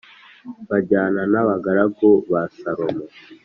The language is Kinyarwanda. bajyana n’abagaragu ba Salomo